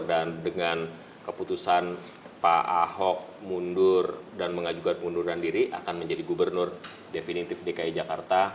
dan dengan keputusan pak ahok mundur dan mengajukan pengunduran diri akan menjadi gubernur definitif dki jakarta